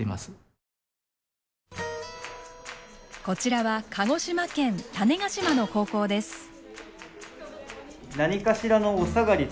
こちらは鹿児島県種子島の高校です。